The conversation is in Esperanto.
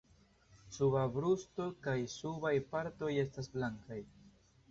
Suba brusto kaj subaj partoj estas blankaj.